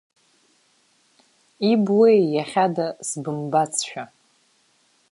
Ибуеи, иахьада сбымбацшәа!